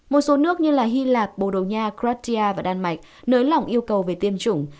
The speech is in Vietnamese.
một số nước như hy lạc bồ đồ nha croatia và đan mạch nới lỏng yêu cầu về tiêm chủng